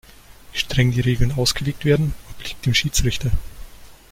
Wie streng die Regeln ausgelegt werden, obliegt dem Schiedsrichter.